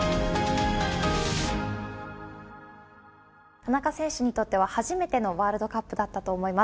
田中選手にとっては、初めてのワールドカップだったと思います。